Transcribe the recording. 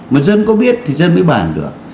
mà dân có biết thì dân mới bản được